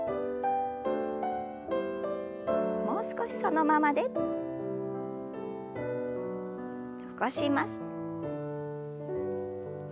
もう少しそのままで。起こします。